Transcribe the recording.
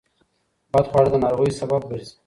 بدخواړه د ناروغیو سبب ګرځي.